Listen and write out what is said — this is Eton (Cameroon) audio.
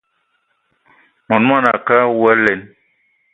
Mon manga a ke awou alen!